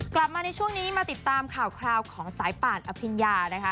กลับมาในช่วงนี้มาติดตามข่าวคราวของสายป่านอภิญญานะคะ